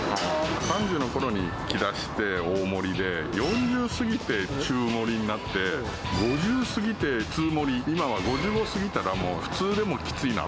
３０のころに来だして、大盛で、４０過ぎて中盛になって、５０過ぎて普通盛り、今は５５過ぎたらもう、普通でもきついな。